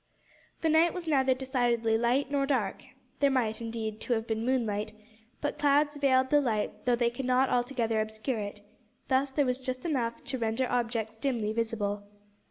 The night was neither decidedly light nor dark. There might, indeed, to have been moonlight, but clouds veiled the light though they could not altogether obscure it; thus there was just enough to render objects dimly visible.